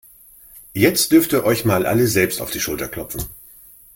Jetzt dürft ihr euch mal alle selbst auf die Schulter klopfen.